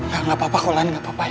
gak apa apa kok ulan gak apa apa ya